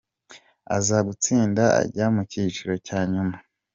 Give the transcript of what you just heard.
Aza gutsinda ajya mu cyiciro cya nyuma.